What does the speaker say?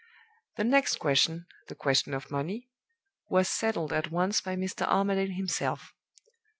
The next question the question of money was settled at once by Mr. Armadale himself.